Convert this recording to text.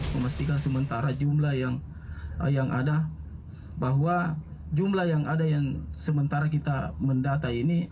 memastikan sementara jumlah yang ada bahwa jumlah yang ada yang sementara kita mendata ini